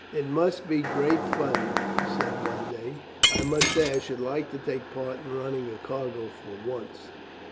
"It must be great fun," he said one day. "I must say I should like to take part in running a cargo, for once."